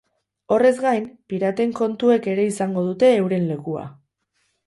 Horrez gain, piraten kontuek ere izango dute euren lekua.